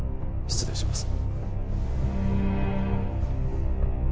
失礼します。